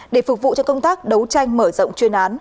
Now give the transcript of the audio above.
để phục vụ cho công tác đấu tranh mở rộng chuyên án